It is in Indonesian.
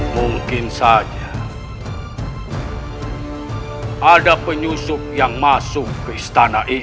mungkin saja ada penyusup yang masuk ke istana ini